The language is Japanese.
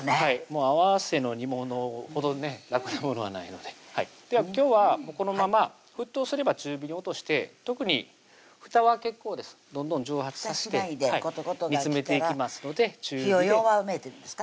合わせの煮物ほどね楽なものはないのででは今日はこのまま沸騰すれば中火に落として特にふたは結構ですどんどん蒸発さして煮詰めていきますので火を弱めてですか？